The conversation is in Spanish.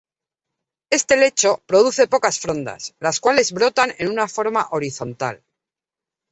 Este helecho produce pocas frondas, las cuales brotan en una forma horizontal.